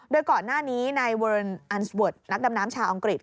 โดยก่อนหน้านี้นายเวิร์นอันสเวิร์ดนักดำน้ำชาวอังกฤษ